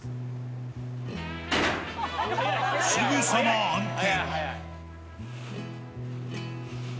すぐさま暗転。